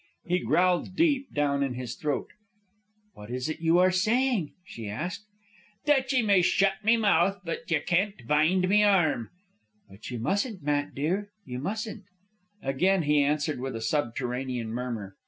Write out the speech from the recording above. He growled deep down in his throat. "What is it you are saying?" she asked. "That ye may shut me mouth, but that ye can't bind me arm." "But you mustn't, Matt, dear, you mustn't." Again he answered with a subterranean murmur.